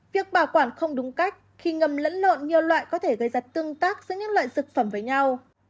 việc bảo quản không đúng cách khi ngầm lẫn lộn nhiều loại có thể gây ra tương tác giữa những loại dược phẩm với nhau